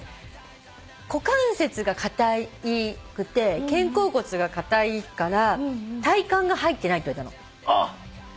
股関節が硬くて肩甲骨が硬いから体幹が入ってないって言われたの。